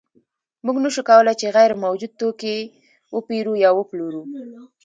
موږ نشو کولی چې غیر موجود توکی وپېرو یا وپلورو